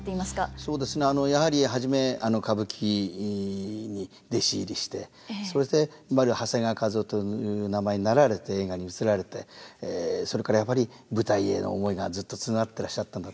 そうですねやはり初め歌舞伎に弟子入りしてそして今の長谷川一夫という名前になられて映画に移られてそれからやっぱり舞台への思いがずっとつながってらっしゃったんだと思いますね。